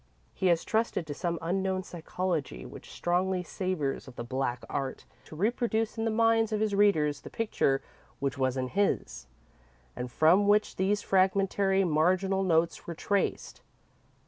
He has trusted to some unknown psychology which strongly savours of the Black Art to reproduce in the minds of his readers the picture which was in his, and from which these fragmentary, marginal notes were traced.